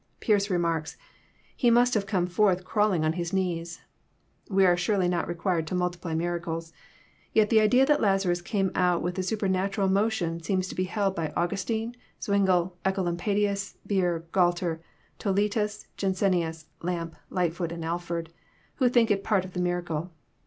Pearce re marks, " He must have come forth crawling on his knees." We are surely not required to multiply miracles. — Tot the idea that Lazarus came out with a supernatural motion seems to be held by Augustine, Zwingle, Ecolampadius, Bucer, Gualter, Toletns, Jansenius, Lampe, Lightfoot, and Alford, who think it part of the miracle.